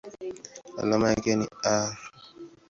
Alama yake ni Ar.